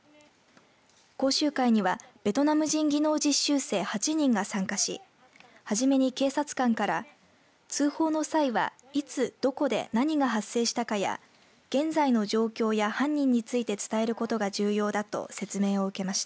講習会にはベトナム人技能実習生８人が参加しはじめに警察官から通報の際はいつ、どこで、何が発生したかや現在の状況や犯人について伝えることが重要だと説明を受けました。